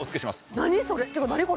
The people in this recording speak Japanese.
何それ？